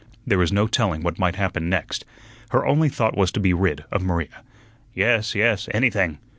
There was no telling what might happen next. Her only thought was to be rid of Maria. "Yes, yes, anything.